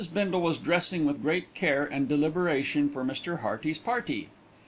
Bindle was dressing with great care and deliberation for Mr. Hearty's party.